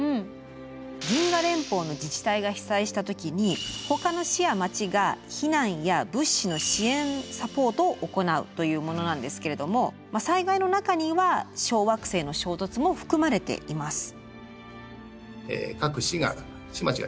銀河連邦の自治体が被災した時にほかの市や町が避難や物資の支援サポートを行うというものなんですけれども災害の中には小惑星の衝突も含まれています。